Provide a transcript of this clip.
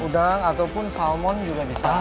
udang ataupun salmon juga bisa